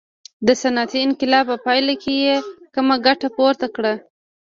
د صنعتي انقلاب په پایله کې یې کمه ګټه پورته کړه.